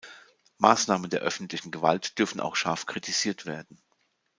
Maßnahmen der öffentlichen Gewalt dürfen auch scharf kritisiert werden.